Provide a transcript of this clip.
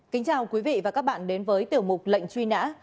kính chào quý vị và các bạn đến với tiểu mục lệnh truy nã